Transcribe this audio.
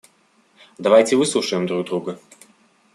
Давайте выслушаем друг друга.